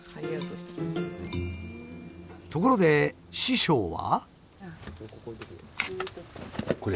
ところで師匠は？